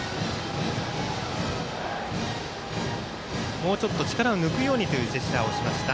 もうちょっと力を抜くようにというジェスチャーをしました